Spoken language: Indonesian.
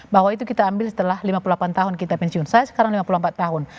bahwa itu kita ambil setelah lima puluh delapan tahun kita pensiun saya sekarang lima puluh empat tahun